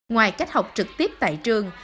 ngoài cách học trực tiếp tại trường